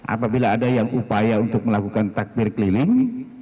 apabila ada yang upaya untuk melakukan takbir keliling